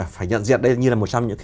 phải nhận diện đây như là một trong những